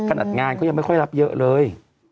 กระหนักงานเขายังไม่ค่อยรับเยอะเลย